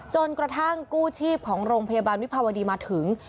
กระทั่งกู้ชีพของโรงพยาบาลวิภาวดีมาถึง